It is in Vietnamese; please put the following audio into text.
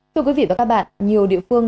thưa quý vị và các bạn nhiều địa phương